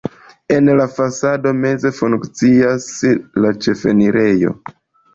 En la fasado meze funkcias la ĉefenirejo.